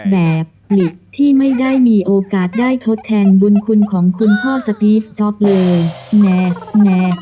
แบบหลีกที่ไม่ได้มีโอกาสได้ทดแทนบุญคุณของคุณพ่อสตีฟจ๊อปเลยแน่